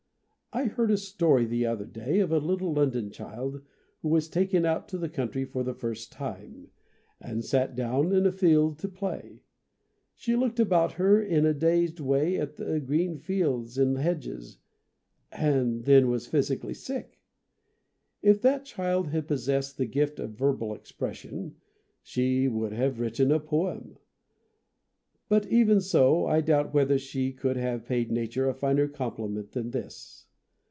I heard a story the other day of a little London child who was taken out to the country for the first time, and set down in a field to play. She looked about her in a dazed way at the green fields and hedges, and then was physically sick. If that child had possessed the gift of verbal expression she would have written a poem ; but even so I doubt whether she could have paid Nature a finer compliment than this.